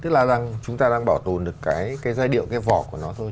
rõ ràng chúng ta đang bảo tồn được cái giai điệu cái vỏ của nó thôi